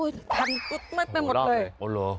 อุ๊ยทันกุ๊ดเมื่อไปหมดเลยโอ้โหรอ